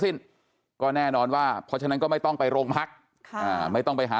สิ้นก็แน่นอนว่าเพราะฉะนั้นก็ไม่ต้องไปโรงพักค่ะอ่าไม่ต้องไปหา